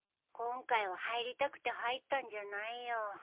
今回は入りたくて入ったんじゃないよ。